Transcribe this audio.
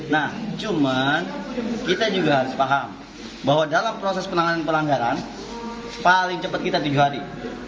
nah cuman kita juga harus paham bahwa dalam proses penanganan pelanggaran paling cepat kita tujuh hari